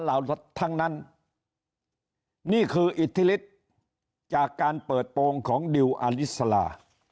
ทั้งนั้นนี่คืออิทธิฤทธิ์จากการเปิดโปรงของดิวอลิสลา